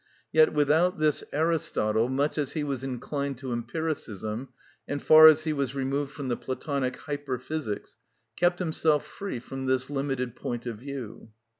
Yet without this Aristotle, much as he was inclined to empiricism, and far as he was removed from the Platonic hyper physics, kept himself free from this limited point of view.